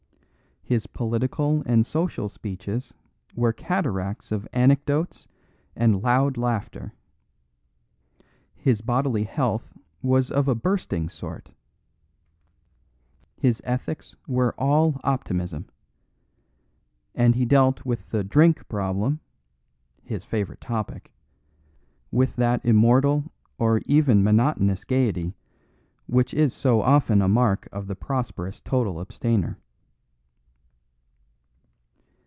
His political and social speeches were cataracts of anecdotes and "loud laughter"; his bodily health was of a bursting sort; his ethics were all optimism; and he dealt with the Drink problem (his favourite topic) with that immortal or even monotonous gaiety which is so often a mark of the prosperous total abstainer.